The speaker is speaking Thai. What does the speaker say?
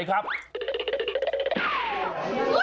โอ้ยตายแล้วแม่เฮิญ